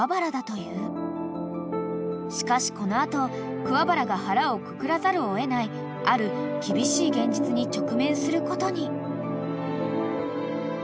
［しかしこの後桑原が腹をくくらざるを得ないある厳しい現実に直面することに］